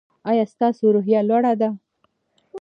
ایا ستاسو روحیه لوړه ده؟